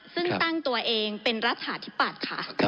ซึ่งตั้งตัวเองเป็นรัฐาธิปัตย์ค่ะ